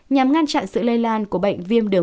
nhằm ngăn chặn sự lây lan của bệnh viêm đớn